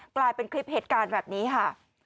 กลายเป็นคลิปเหตุการณ์แบบนี้ค่ะ